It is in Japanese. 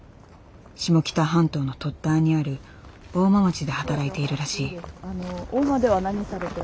下北半島の突端にある大間町で働いているらしい。